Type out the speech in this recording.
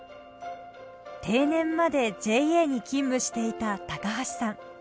定年までＪＡに勤務していた橋さん。